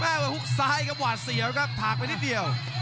เป้าและหุ้งซ้ายกลมหวัดเสียวครับถาดไปนิดเดียว